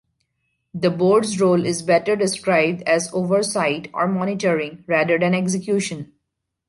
The Board's role is better described as oversight or monitoring, rather than execution.